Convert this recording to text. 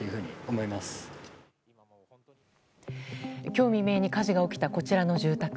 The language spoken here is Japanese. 今日未明に火事が起きたこちらの住宅。